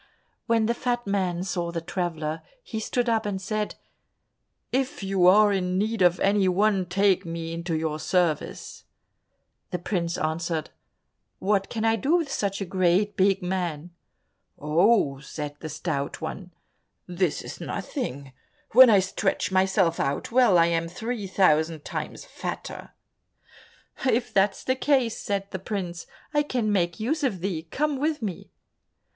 When the fat man saw the traveller, he stood up and said, "If you are in need of any one, take me into your service." The prince answered, "What can I do with such a great big man?" "Oh," said the Stout One, "this is nothing, when I stretch myself out well, I am three thousand times fatter." "If that's the case," said the prince, "I can make use of thee, come with me."